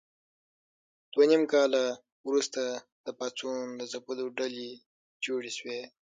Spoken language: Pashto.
دوه نیم کاله وروسته د پاڅون د ځپلو ډلې جوړې شوې.